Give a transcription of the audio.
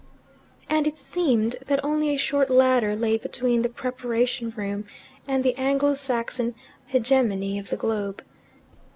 And it seemed that only a short ladder lay between the preparation room and the Anglo Saxon hegemony of the globe.